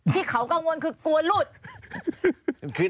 ที่เขากังวลคือกลัวหลุด